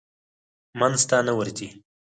منځ ته نه ورځي.